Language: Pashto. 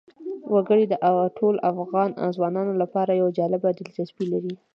وګړي د ټولو افغان ځوانانو لپاره یوه جالبه دلچسپي لري.